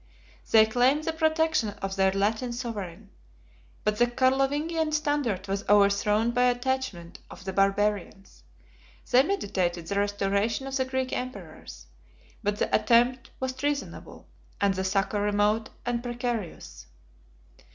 They claimed the protection of their Latin sovereign; but the Carlovingian standard was overthrown by a detachment of the Barbarians: they meditated the restoration of the Greek emperors; but the attempt was treasonable, and the succor remote and precarious.